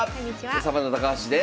サバンナ高橋です。